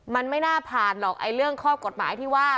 มันไม่น่าผ่านหรอกไอ้เรื่องข้อกฎหมายที่ว่า